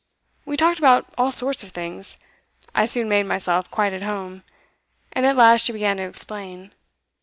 We talked about all sorts of things; I soon made myself quite at home. And at last she began to explain.